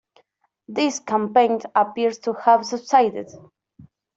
This campaign appears to have subsided.